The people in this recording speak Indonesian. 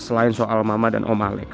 selain soal mama dan om malik